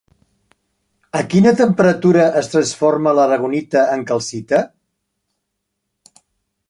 A quina temperatura es transforma l'aragonita en calcita?